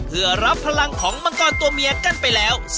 เพื่อรับพลังของมังกรตัวเมียกันไปแล้ว